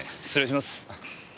失礼します。